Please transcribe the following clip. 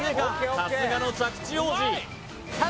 さすがの着地王子うまい！